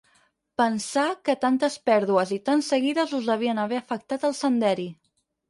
Pensà que tantes pèrdues i tan seguides us devien haver afectat el senderi.